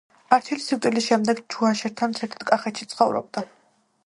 არჩილის სიკვდილის შემდეგ ჯუანშერთან ერთად კახეთში ცხოვრობდა.